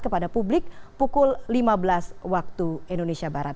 kepada publik pukul lima belas waktu indonesia barat